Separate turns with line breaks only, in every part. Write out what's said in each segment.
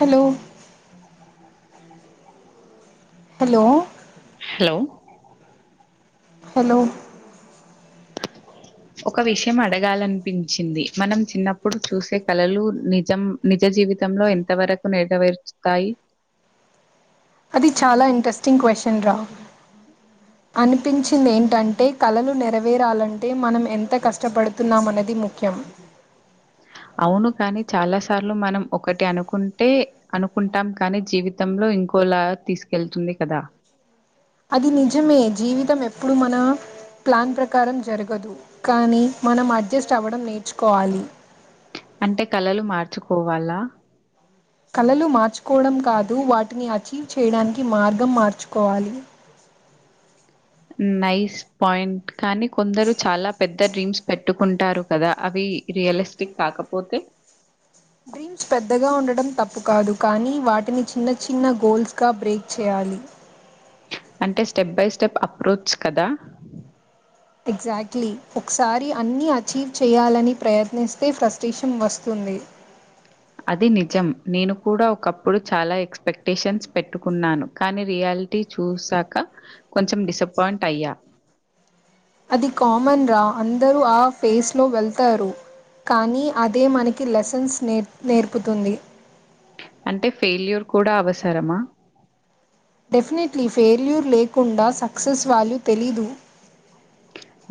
Hello hello
లో
hello
ఒక విషయం అడగాలనిపించింది మనం చిన్నప్పుడు చూసే కళలు నిజం నిజ జీవితంలో ఎంతవరకు నెరవేర్చుతాయి
అది చాలా ఇంట్రెస్టింగ్ క్వశ్చన్ రా అనిపించింది ఏంటంటే కళలు నెరవేరాలంటే మనం ఎంత కష్టపడుతున్నాం అన్నది ముఖ్యం
అవును కాని చాలా సార్లు మనం ఒకటి అనుకుంటే అనుకుంటాం కానీ జీవితంలో ఇంకోలా తీసుకెళ్తుంది కదా
అది నిజమే జీవితం ఎప్పుడు మన ప్లాన్ ప్రకారం జరగదు కానీ మనం అడ్జస్ట్ అవ్వడం నేర్చుకోవాలి
అంటే కళలు మార్చుకోవాలా
కళలు మార్చుకోవడం కాదు వాటిని అచీవ్ చేయడానికి మార్గం మార్చుకోవాలి
నైస్ పాయింట్ కానీ కొందరు చాలా పెద్ద డ్రీమ్స్ పెట్ ట్టుకుంటారు కదా అవి రియలిస్టిక్ కాకపోతే
డ్రీమ్స్ పెద్దగా ఉండడం తప్పు కాదు కానీ వాటిని చిన్న చిన్న గోల్స్ గా బ్రేక్ చేయాలి
అంటే స్టెప్ బై స్టెప్ అప్రోచ్ కదా
ఎగ్జాక్ట్లీ ఒకసారి అన్ని అచీవ్ చెయ్యాలని ప్రయత్నిస్తే ఫ్రస్టేషన్ వస్తుంది
అది నిజం నేను కూడా ఒకప్పుడు చాలా ఎక్స్పెక్టేషన్స్ పెట్టుకున్నాను కానీ రియాలిటీ చూసాక కొంచెం డిసప్పాయింట్ అయ్యా
అది కామన్ రా అందరూ ఆ ఫేస్లో వెళ్తారు కానీ అదే మనకి లెసన్స్ నేర్ నేర్పుతుంది
అంటే ఫెయిల్యూర్ కూడా అవసరమా
డెఫినెట్లీ ఫెల్యూర్ లేకుండా సక్సెస్ వాల్యూ తెలీదు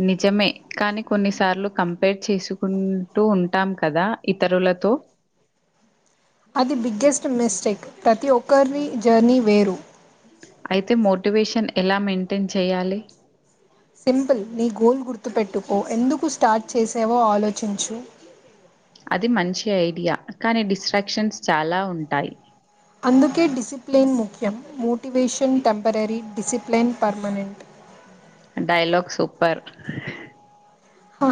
నిజమే కానీ కొన్నిసార్లు కంపేర్ చేసుకుంటూ ఉంటాం కదా ఇతరులతో
అది బిగ్గెస్ట్ మిస్టేక్ ప్రతి ఒక్కర్ని జర్నీ వేరు
మటివేషన్ ఎలా మెయింటైన్ చెయ్యాలి
సింపుల్ నీ గోల్ గుర్తుపెట్టుకో ఎందుకు స్టార్ట్ చేసావో ఆలోచించు
అది మంచి ఐడియా కానీ డిస్ట్రాక్షన్స్ చాలా ఉంటాయి
అందుకే డిసిప్లిన్ ముఖ్యం motivation temporary discipline permanent
dialogue super
హా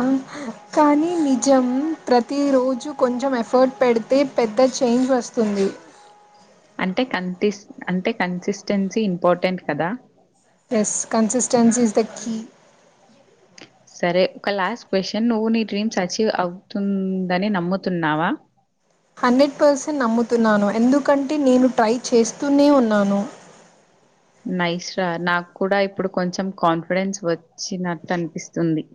కానీ నిజం ప్రతిరోజు కొంచెం ఎఫర్ట్ పెడితే పెద్ద చేంజ్ వస్తుంది
అంటే కన్ టిస్ అంటే కన్సిస్టెన్సీ ఇంపార్టెంట్ కదా
yes consistency is the key
సరే ఒక లాస్ట్ క్వశ్చన్ నువ్వు నీ డ్రీమ్స్ అచీవ్ అవుతుందని నమ్ముతున్నావా
హండ్రెడ్ పర్సెంట్ నమ్ముతున్నాను ఎందుకంటే నేను ట్రై చేస్తూనే ఉన్నాను
నైస్ రా నాకు కూడా ఇప్పుడు కొంచెం కాన్ఫిడెన్స్ వచ్చినట్టు అన్పిస్తుంది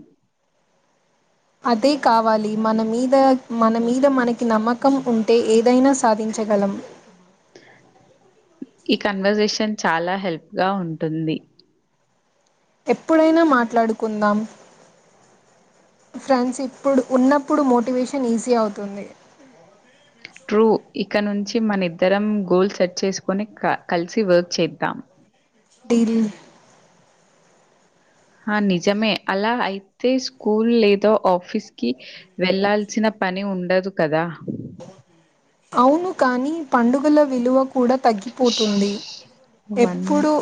అదే కావాలి మన మీద మన మీద మనకి నమ్మకం ఉంటే ఏదైనా సాధించగలం
ఈ కన్వర్సేషన్ చాలా హెల్ప్ గా ఉంటుంది
ఎప్పుడైనా మాట్లాడుకుందాం ఫ్రెండ్స్ ఇప్పుడు ఉన్నప్పుడు మోటివేషన్ ఈజీ అవుతుంది
ట్రూ ఇక నున్ చి మనిద్దరం గోల్ సెట్ చేసుకొని కలిసి వర్క్ చేద్దాం
డిల్
ఆ నిజమే అలా అయితే స్కూల్ లేదో ఆఫీస్ కి వెళ్లాల్సిన పని ఉండదు కదా
అవును కాని పండుగల విలువకు కూడా
ష్
తగ్గిపోతుంది
వన్
ఎప్పుడు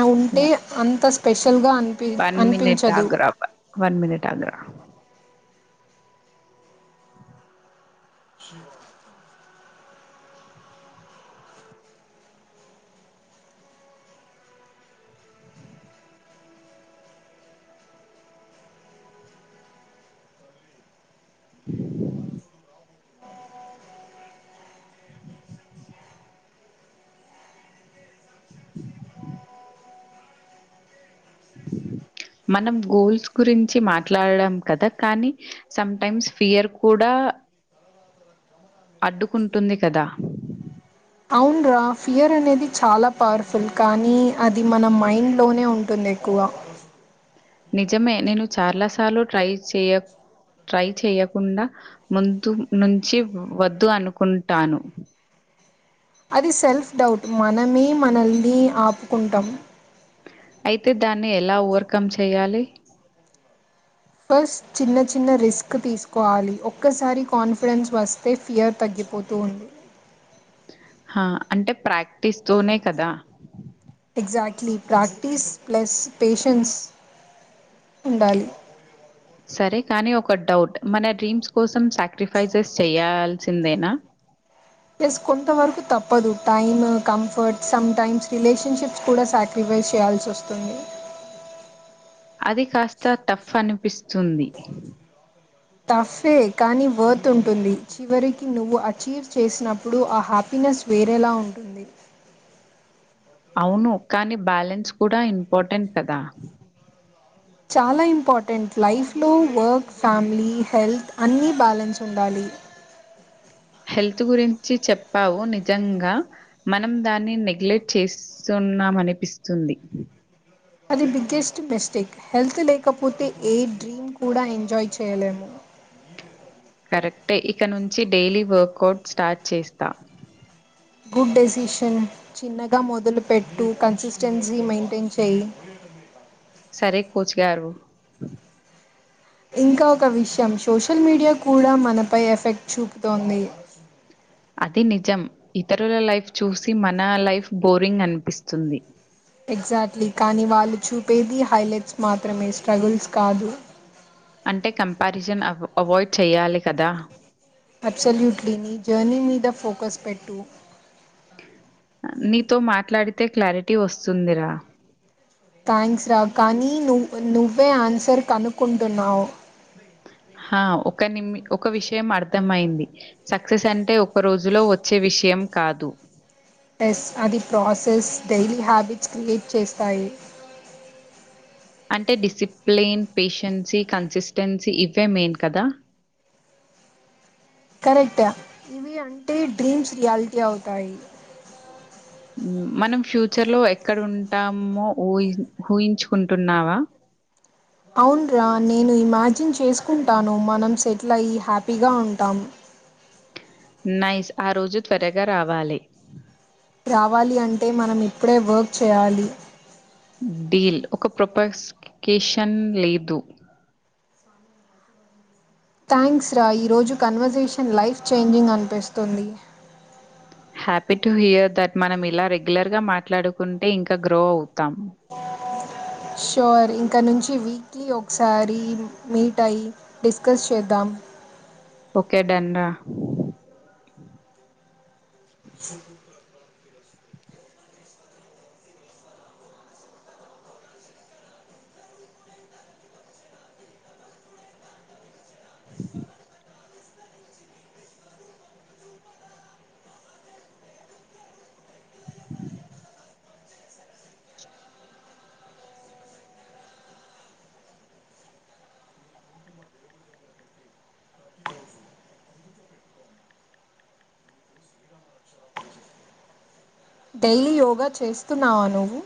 అ ఉంటే అంత స్పెషల్గా అనిపి
వన్ మనిట్
అనిపించదు
ఆగురా వన్ మనిట్ ఆగురా మనం గోల్స్ గురించి మాట్లాడడం కదా కానీ సం టైమ్స్ ఫియర్ కూడా అడ్డుకుంటుంది కదా
అవున్రా ఫియర్ అనేది చాలా పవర్ఫుల్ కానీ అది మన మైండ్ లోనే ఉంటుంది ఎక్కువ
నిజమే నేను చాలాసార్లు ట్రై చేయ ట్రై చేయకుండా ముందు నుంచి వద్దు అనుకుంటాను
అది సెల్ఫ్ డౌట్ మనమే మనల్ని ఆపుకుంటాం
అయితే దాన్ని ఎలా ఓవర్కమ్ చెయ్యాలి
ఫస్ట్ చిన్న చిన్న రిస్క్ తీసుకోవాలి ఒక్కసారి కాన్ఫిడెన్స్ వస్తే ఫియర్ తగ్గిపోతూ ఉంది
హా అంటే ప్రాక్టీస్ తోనే కదా
గ్జాక్ట్లీ ప్రాక్టీస్ ప్లస్ పేషన్స్ ఉండాలి
సరే కానీ ఒక డౌట్ మన డ్రీమ్స్ కోసం సాక్రిఫైసెస్ చెయ్యాల్ సిందేనా
ప్లస్ కొంతవరకు తప్పదు టైమ్ కంఫర్ట్ సమ్టైమ్స్ రిలేషన్షిప్స్ కూడా సాక్రిఫైస్ చేయాల్సి వస్తుంది
అది కాస్త టఫ్ అనిపిస్తుంది
టఫ్ఫే కానీ వర్త్ ఉంటుంది చివరికి నువ్వు అచీవ్ చేసినప్పుడు ఆ హ్యాపీనెస్ వేరేలా ఉంటుంది
అవును కానీ బ్యాలెన్స్ కూడా ఇంపార్టెంట్ కదా
చాలా ఇంపార్టెంట్ లైఫ్లో వర్క్ ఫ్యామిలీ హెల్త్ అన్నీ బ్యాలెన్స్ ఉండాలి
హెల్త్ గురించి చెప్పావు నిజంగా మనం దాన్ని నెగ్లెక్ట్ చేస్తున్నామనిపిస్తుంది.
అది బిగ్గెస్ట్ మిస్టేక్ హెల్త్ లేకపోతే ఏ డ్రీమ్ కూడా ఎంజాయ్ చేయలేము!
కరెక్టే ఇక నుంచి డైలీ వర్కౌట్ స్టార్ట్ చేస్తా
గుడ్ డెసిషన్ చిన్నగా మొదలుపెట్టు కన్సిస్టెన్సీ మెయింటైన్ చెయ్
సరే కోచ్ గారు
ఇంకా ఒక విషయం సోషల్ మీడియా కూడా మనపై ఎఫెక్ట్ చూపుతోంది
అది నిజం ఇతరుల లైఫ్ చూసి మన లైఫ్ బోరింగ్ అనిపిస్తుంది
ఎగ్జాక్ట్లీ కానీ వాళ్ళు చూపేది హైలైట్స్ మాత్రమే స్ట్రగుల్స్ కాదు
అంటే కంపారిజన్ అవ్ అవాయిడ్ చెయ్యాలి కదా
అబ్సల్యూట్లీ నీ జర్నీ మీద ఫోకస్ పెట్టు
నీతో మాట్లాడితే క్లారిటీ వస్తుందిరా
థ్యాంక్స్ రా కానీ నువ్ నువ్వే ఆన్సర్ కనుక్కుంటున్నావ్
హ ఒక నిమి ఒక విషయం అర్థమైంది సక్సెస్ అంటే ఒక రోజులో వచ్చే విషయం కాదు!
ఎస్ అది ప్రాసెస్ డైలీ హ్యాబిట్స్ క్రియేట్ చేస్తాయి
అంటే డిసిప్లెయిన్ పేషెన్సీ కన్సిస్టెన్సీ ఇవే మెయిన్ కదా
[unintelligible] ఇవి అంటే డ్రీమ్స్ రియాలిటీ అవుతాయి
మ్మ్ మనం ఫ్యూచర్ లో ఎక్కడంటామో ఊహిం ఊహించుకుంటున్నావా
అవున్రా నేను ఇమాజిన్ చేసుకుంటాను మనం సెటిల్ అయ్యి హ్యాపీగా ఉంటాం.
నైస్ ఆ రోజు త్వరగా రావాలి
రావాలి అంటే మనం ఇప్పుడే వర్క్ చేయాలి
డీల్ ఒక ప్రొపాస్కేషన్ లేదు
థ్యాంక్స్ రా ఈరోజు కన్వర్జేషన్ లైఫ్ చేంజింగ్ అనిపిస్తుంది
హ్యాపీ టు హియర్ దట్ మనం ఇలా రెగ్యులర్ గా మాట్లాడుకుంటే ఇంకా గ్రో అవుతాం
షోర్ ఇంక నుంచి వీక్లీ ఒకసారి మీట్ అయి డిస్కస్ చేద్దాం
కెడండ
[inaudible] డైలీ యోగా చేస్తున్నావా నువ్వు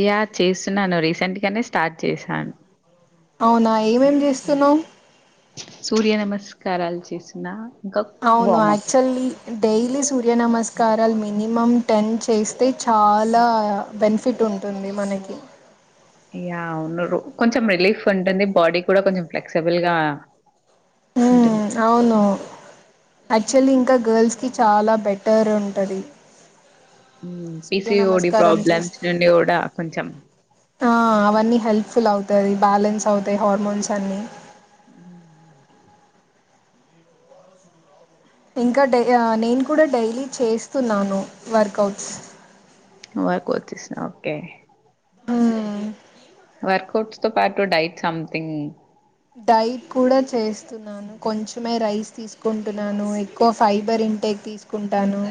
యా చేస్తున్నాను రీసెంట్ గానే స్టార్ట్ చేశాను
అవునా ఏమేం చేస్తున్నావ్
సూర్య నమస్కారాలు చేసిన ఇంకా
అవును
వార్మప్.
ఆక్చుల్లీ డైలీ సూర్య నమస్ కారల్ మినిమమ్ టెన్ చేస్తే చాలా బెనిఫిట్ ఉంటుంది మనకి
య్యా ఉండదు కొంచెం రిలీఫ్ ఉంటుంది బాడీ కూడా కొంచెం ఫ్లెక్సిబుల్ గా
ఆ అవును యాక్చువల్లీ ఇంకా గర్ల్స్ కి చాలా బెటర్ ఉంటది
హ్మ్.
సూర్య
పీసీఓడి
నమస్కారం
ప్రాబ్లమ్స్
చూస్త్
నుండి గూడా కొంచెం
ఆ అవన్నీ హెల్ప్ఫుల్ అవు అది బ్యాలెన్స్ అవుతాయి హార్మోన్స్ అన్నీ
ఊ
ఇంకడ్ యా నేను కూడా డైలీ చేస్తున్నాను వర్కౌట్స్
వ కో వచ్చస్న ఓకే
మ్మ్
వర్కౌట్స్ తో పాటు డైట్ సంథింగ్
డైట్ కూడా చేస్తున్నాను, కొంచెమే రైస్ తీసుకుంటున్నాను ఎక్కువ ఫైబర్ ఇంటేక్ తీసుకుంటాను.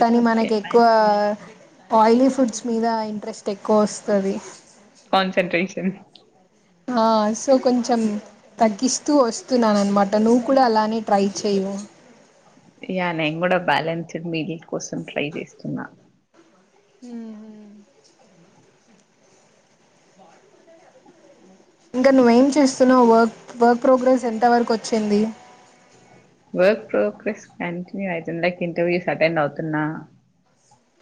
కానీ
ఓకే.
మనకెక్కువ
నైస్.
ఆయిలీ ఫుడ్స్ మీద ఇంట్రెస్ట్ ఎక్కువ వస్తాది
కాన్సంట్రేషన్
ఆ సో కొంచం తగ్గిస్తూ ఒస్తున్నాను అన్మాట నువ్వు కూడా అలానే ట్రై చేయు
యా నేన్ గుడా బ్యాలెన్స్డ్ మీల్ కోసం ట్రై జేస్తున్న
హుమ్ ఇంకా నువ్వేం చేస్తున్నావ్ వా వర్క్ ప్రోగ్రెస్ ఎంత వరకు ఒచ్చింది
వర్క్ ప్రోగ్రెస్ కంటిన్యూ ఐతుంది లైక్ ఇంటర్వ్యూస్ అటెండ్ అవ్తున్నా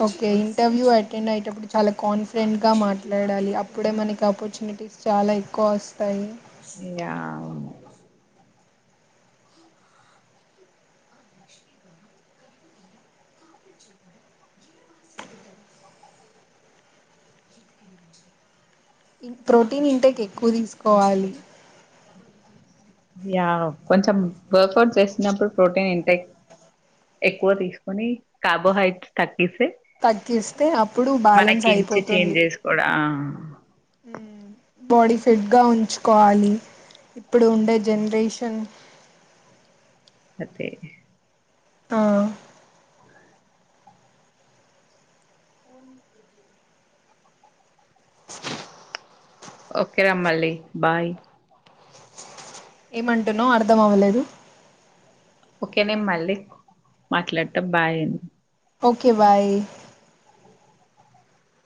ఓకే ఇంటర్వ్యూ అటెండ్ అయేటప్పుడు చాలా కాన్ఫిడెంట్గా మాట్లాడాలి అప్పుడే మనకి ఆపర్చునిటీస్ చాలా ఎక్కువ ఒస్తాయి
య్యా ఔను
ప్రోటీన్ ఇంటేక్ ఎక్కువ్ తీస్కోవాలి
యా కొంచం వర్కౌట్ చేస్నప్పుడు ప్రోటీన్ ఇంటెక్ ఎక్కువ తీస్కుని కార్బోహైడ్రేట్ త
తగ్గిస్తే అప్పుడు బ్యాలెన్స్
మనకించి చేంజ్
ఐపోతుంది
చేసుకోడా [inaudible]
ఉమ్ బాడీ ఫిట్గా ఉంచుకోవాలి ఇప్పుడు ఉండే జనరేషన్
అదె
ఆ
ఒకె రమ్మల్లి బాయ్
ఏమంటున్నావ్ అర్థం అవలేదు
ఓకేనే మళ్ళీ మాట్లాట బాయని
ఓకే బాయ్